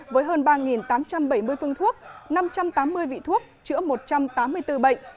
với hơn ba tám trăm bảy mươi phương thuốc năm trăm tám mươi vị thuốc chữa một trăm tám mươi bốn bệnh